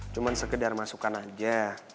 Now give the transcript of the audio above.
cuman sekedar masukkan aja